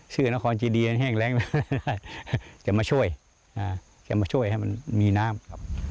สื่อนครจิดีแห้งแร้งจะมาช่วยจะมาช่วยให้มันมีน้ำ